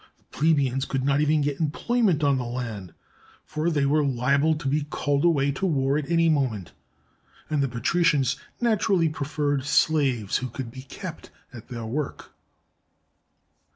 The plebeians could not even get employment on the land, for they were hable to be called away to war at any moment; and the patricians naturally preferred slaves who could be kept at their work.